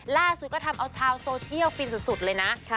ล่าสุดก็ทำเอาชาวโซเชียลฟินสุดเลยนะ